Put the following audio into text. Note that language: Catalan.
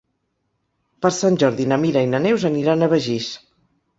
Per Sant Jordi na Mira i na Neus aniran a Begís.